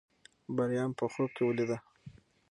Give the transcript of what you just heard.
بریا مې په خوب کې ولیده.